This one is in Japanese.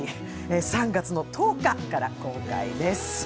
３月１０日から公開です。